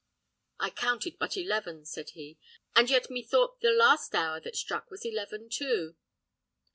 "I counted but eleven," said he, "and yet methought the last hour that struck was eleven too."